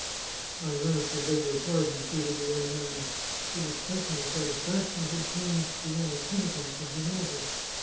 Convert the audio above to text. "I earnestly beg your pardon," pleaded the young ran. His expression of satisfaction had changed to one of penitence and humility.